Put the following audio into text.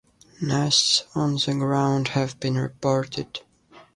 Nests on the ground have been reported.